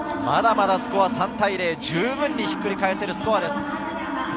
まだまだスコア３対０、十分にひっくり返せるスコアです。